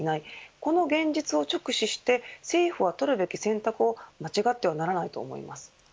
この現実を直視して政府は取るべき選択を間違ってはならないと思います。